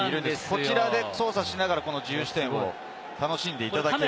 こちらで操作しながら自由視点を楽しんでいただける。